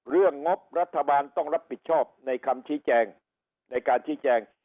งบรัฐบาลต้องรับผิดชอบในคำชี้แจงในการชี้แจง